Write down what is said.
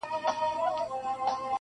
• یا بس گټه به راوړې په شان د وروره,